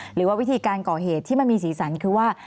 หรือว่าวิธีการก่อเหตุที่มันมีสีสันคือว่า